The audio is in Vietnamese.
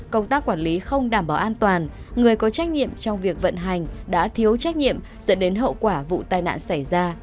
công tác quản lý không đảm bảo an toàn người có trách nhiệm trong việc vận hành đã thiếu trách nhiệm dẫn đến hậu quả vụ tai nạn xảy ra